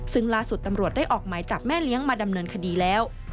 ซึ่งล่าสุดตำรวจได้ออกหมายจับแม่เลี้ยงมาดำเนินคดีแล้ว